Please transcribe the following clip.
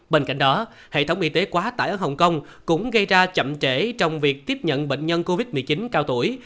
bên cạnh đó hệ thống y tế quá tải ở hồng kông cũng gây ra chậm trễ trong việc tiếp nhận bệnh nhân covid một mươi chín cao tuổi